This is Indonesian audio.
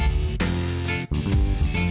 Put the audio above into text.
kami menjelaskan akan vielen hah